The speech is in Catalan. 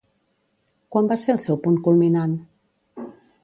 Quan va ser el seu punt culminant?